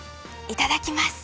いただきます。